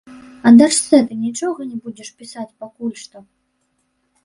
А дачцэ ты нічога не будзеш пісаць пакуль што?